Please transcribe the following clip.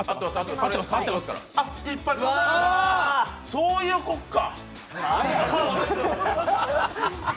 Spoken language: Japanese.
そういうことか！